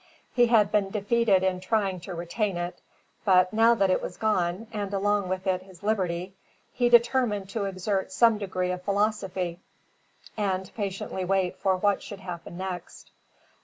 He had been defeated in trying to retain it; but now that it was gone, and along with it his liberty, he determined to exert some degree of philosophy and patiently wait for what should happen next.